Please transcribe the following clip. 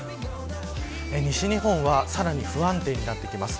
西日本は、さらに不安定になってきます。